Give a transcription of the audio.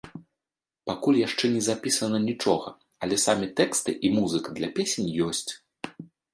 Пакуль яшчэ не запісана нічога, але самі тэксты і музыка для песень ёсць.